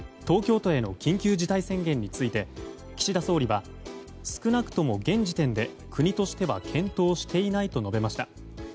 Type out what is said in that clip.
東京都への緊急事態宣言について岸田総理は少なくとも現時点で国としては検討していないと述べました。